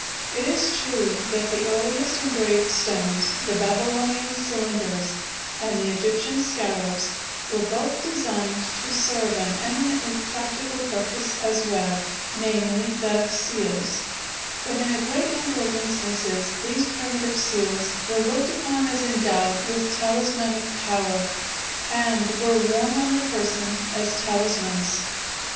It is true that the earliest engraved stones, the Babylonian cylinders and the Egyptian scarabs, were both designed to serve an eminently practical purpose as well, namely, that of seals; but in a great number of instances these primitive seals were looked upon as endowed with talismanic power, and were worn on the person as talismans.